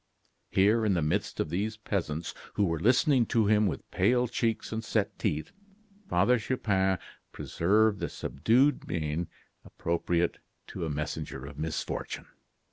'" Here, in the midst of these peasants, who were listening to him with pale cheeks and set teeth, Father Chupin preserved the subdued mien appropriate to a messenger of misfortune.